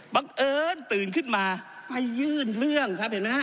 บังเอิญตื่นขึ้นมาไปยื่นเรื่องครับเห็นไหมฮะ